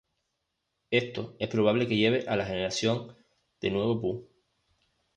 Esto es probable que lleve a la generación de nuevo Pu.